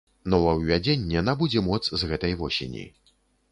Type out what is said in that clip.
Новаўвядзенне набудзе моц з гэтай восені.